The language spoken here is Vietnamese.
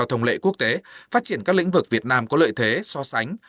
thông lệ quốc tế phát triển các lĩnh vực việt nam có lợi thế so sánh